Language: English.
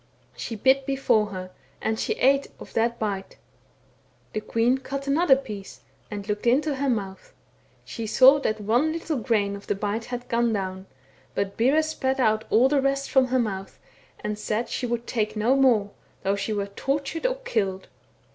She bit before her, and she ate of that bite ; the queen cut another piece, and looked into her mouth ; she saw that one little grain of the bite had gone down, but Bera spat out all the rest from her mouth, and said she would take no more, though she were tortured or killed.